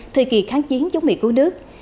thời kỳ kháng chiến chống mỹ cứu nước